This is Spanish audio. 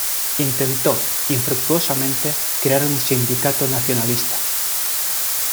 Intentó, infructuosamente, crear un sindicato nacionalista.